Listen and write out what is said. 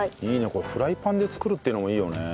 このフライパンで作るっていうのもいいよね。